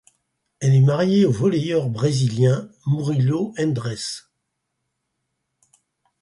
Elle est mariée au volleyeur brésilien Murilo Endres.